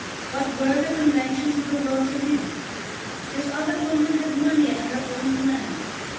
What were the conventions of the world to him? This other woman had money at her own command.